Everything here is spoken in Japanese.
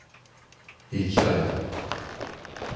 いい機会だと思う。